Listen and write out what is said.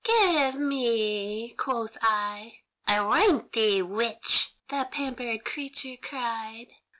"'Give me,' quoth I. 'Aroint thee, witch!' the pampered creature cried.